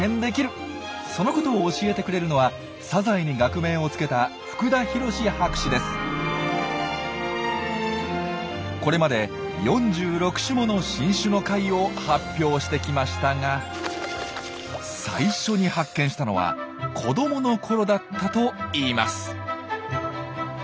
そのことを教えてくれるのはサザエに学名をつけたこれまで４６種もの新種の貝を発表してきましたが最初に発見したのは子どものころだったといいます。